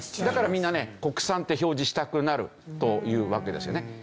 だからみんなね国産って表示したくなるというわけですよね。